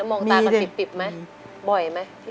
มองตากันปิบมั้ย